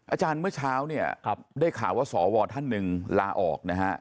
อาจารย์เมื่อเช้าเนี่ยได้ข่าวว่าสวท่านหนึ่งลาออกนะฮะ